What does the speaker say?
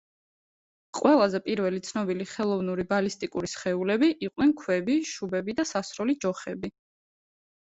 ყველაზე პირველი ცნობილი ხელოვნური ბალისტიკური სხეულები იყვნენ ქვები, შუბები და სასროლი ჯოხები.